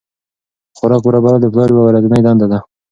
خوراک برابرول د پلار یوه ورځنۍ دنده ده.